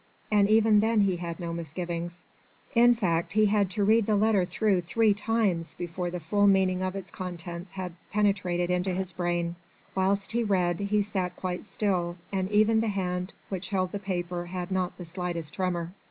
And even then he had no misgivings. In fact he had to read the letter through three times before the full meaning of its contents had penetrated into his brain. Whilst he read, he sat quite still, and even the hand which held the paper had not the slightest tremor.